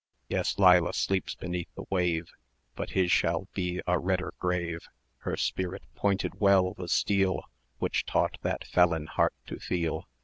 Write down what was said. "Yes, Leila sleeps beneath the wave, But his shall be a redder grave; Her spirit pointed well the steel Which taught that felon heart to feel.